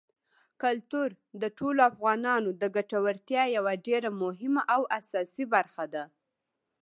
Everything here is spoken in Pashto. کلتور د ټولو افغانانو د ګټورتیا یوه ډېره مهمه او اساسي برخه ده.